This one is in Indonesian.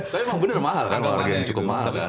tapi emang bener mahal kan harga yang cukup mahal